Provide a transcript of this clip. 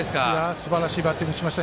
すばらしいバッティングしました。